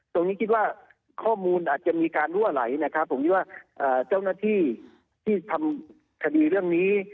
ตรงนี้คิดว่าข้อมูลอาจจะมีการรั่วไหลนะครับผมคิดว่าเจ้าหน้าที่ที่ทำคดีเรื่องนี้